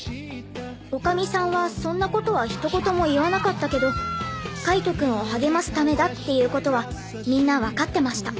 女将さんはそんなことはひと言も言わなかったけど海人くんを励ますためだっていうことはみんなわかってました